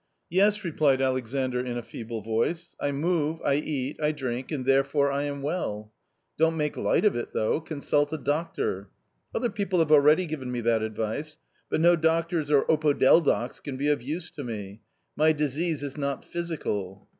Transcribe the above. " Yes," replied Alexandr in a feeble voice, " I move, I eat, I drink, and therefore I am well." " Don't make light of it though ; consult a doctor." " Other people have already given me that advice, but no doctors or opodeldocs can be of use to me ; my disease is not physical."